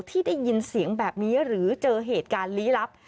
ที่ได้ยินเสียงแบบนี้หรือเจอเหตุการณ์ลี้ลับ